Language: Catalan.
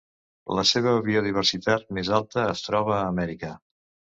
La seva biodiversitat més alta es troba a Amèrica.